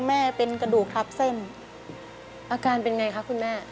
แม่เป็นกระดูกทับเส้นอาการเป็นไงคะคุณแม่